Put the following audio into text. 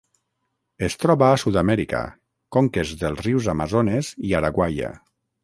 Es troba a Sud-amèrica: conques dels rius Amazones i Araguaia.